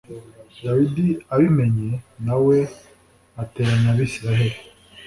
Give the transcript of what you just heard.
Dawidi abimenye na we ateranya Abisirayeli